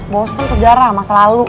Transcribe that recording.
bosan sejarah masa lalu